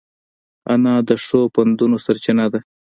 انا د ښو پندونو سرچینه ده